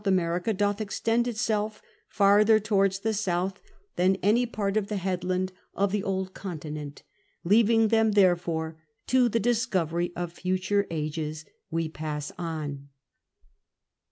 America doth extend itself farther towards the S. than any Part or IV rOYAG/CS ROUND THE WORLD 55 IJcaclland of the old Continent. ... Leaving them therefore to the discovery of future ages, we pass on.